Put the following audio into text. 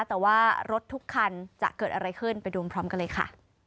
แต่ว่ารถทุกคันจะเกิดอะไรขึ้นไปดูพร้อมกันเลยค่ะ